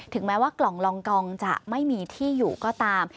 แม้ว่ากล่องรองกองจะไม่มีที่อยู่ก็ตาม